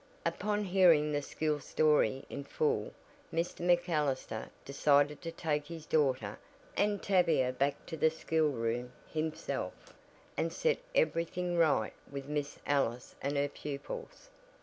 Upon hearing the school story in full Mr. MacAllister decided to take his daughter and Tavia back to the school room himself, and set every thing right with Miss Ellis and her pupils.